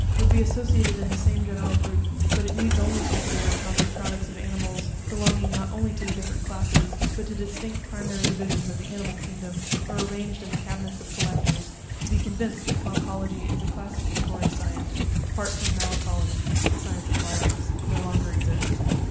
would be associated in the same general group: but it needs only to observe how these products of animals, belonging not only to different classes, but to distinct primary divisions of the animal kingdom, are arranged in the cabinets of collectors, to be con vinced that Conchology as a classificatory science, apart from Malacology (the science of mollusks), no longer exists.